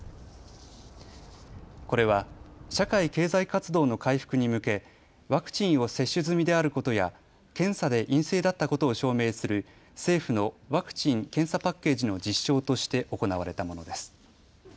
これは社会経済活動の回復に向けワクチンを接種済みであることや検査で陰性だったことを証明する政府のワクチン・検査パッケージの実証として行われたものです。